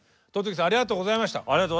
戸次さんありがとうございました。